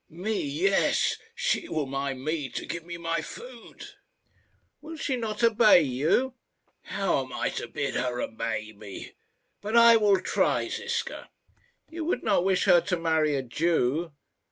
"Me; yes she will mind me, to give me my food." "Will she not obey you?" "How am I to bid her obey me? But I will try, Ziska." "You would not wish her to marry a Jew?"